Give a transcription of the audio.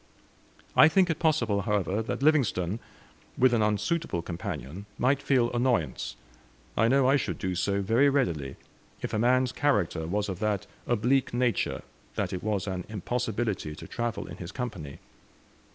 I think it possible, however, that Livingstone, with an unsuitable companion, might feel annoyance. I know I should do so very readily, if a man's character was of that oblique nature that it was an impossibility to travel in his company.